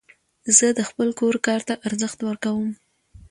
زه د خپل کور کار ته ارزښت ورکوم.